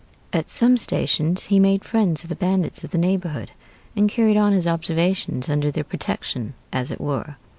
At some stations he made friends of the bandits of the neighborhood, and carried on his observations under their protection, as it were.